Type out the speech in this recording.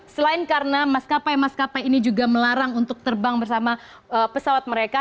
selain karena maskapai maskapai ini juga melarang untuk terbang bersama pesawat mereka